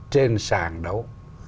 trên sàn đấu